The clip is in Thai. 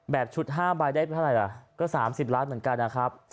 ชุด๕ใบได้เท่าไหร่ล่ะก็๓๐ล้านเหมือนกันนะครับ